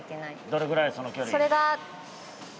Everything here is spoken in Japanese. どれくらいその距離？